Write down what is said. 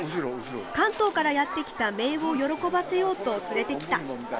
関東からやって来ためいを喜ばせようと連れてきた。